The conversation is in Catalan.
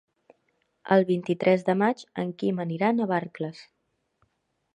El vint-i-tres de maig en Quim anirà a Navarcles.